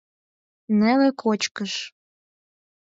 Неле кочкыш.